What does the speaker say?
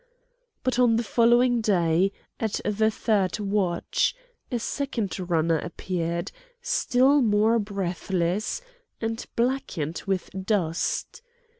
But on the following day, at the third watch, a second runner appeared, still more breathless, and blackened with dust.